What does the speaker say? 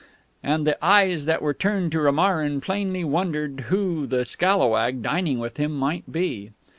And the eyes that were turned to Romarin plainly wondered who the scallawag dining with him might be.